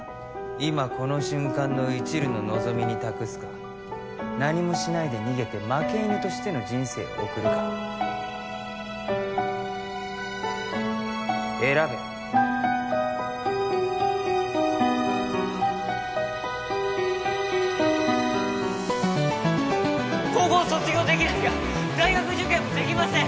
今この瞬間のいちるの望みに託すか何もしないで逃げて負け犬としての人生を送るか選べ高校を卒業できなきゃ大学受験もできません